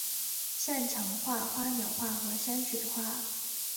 擅长画花鸟画和山水画。